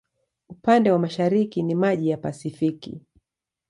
Upande wa mashariki ni maji ya Pasifiki.